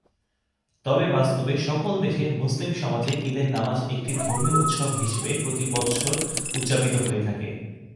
তবে বাস্তবে সকল দেশে মুসলিম সমাজে ঈদের নামাজ একটি ধর্মীয় উৎসব হিসেবে প্রতি বৎসর উদযাপিত হয়ে থাকে।